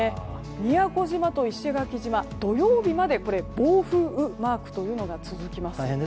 宮古島と石垣島土曜日まで暴風雨マークというのが続きます。